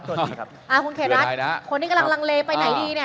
คุณเขตรัศน์คนที่กำลังลังเลไปไหนดี